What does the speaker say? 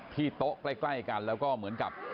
โต๊ะใกล้กันแล้วก็เหมือนกับ